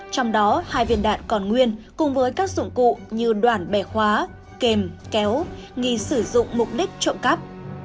trong đó hai viên đạn còn nguyên cùng với các dụng cụ như đoạn bẻ khóa kèm kéo nghi sử dụng mục đích trộm cắp